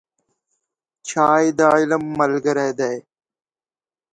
چای د علم ملګری دی